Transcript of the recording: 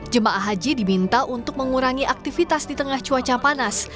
jemaah haji diminta untuk mengurangi aktivitas di tengah cuaca panas